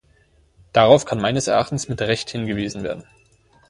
Darauf kann meines Erachtens mit Recht hingewiesen werden.